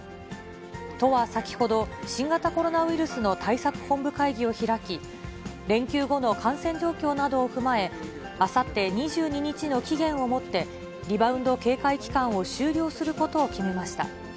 都は先ほど、新型コロナウイルスの対策本部会議を開き、連休後の感染状況などを踏まえ、あさって２２日の期限をもって、リバウンド警戒期間を終了することを決めました。